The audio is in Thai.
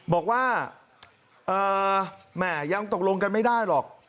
บอกว่าแหม่ยังตกลงกันไม่ได้หรอก